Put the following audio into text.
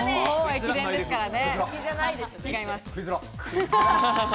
駅伝ですからね。